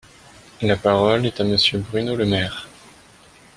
La parole est à Monsieur Bruno Le Maire.